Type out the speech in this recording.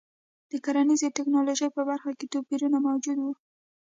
د کرنیزې ټکنالوژۍ په برخه کې توپیرونه موجود وو.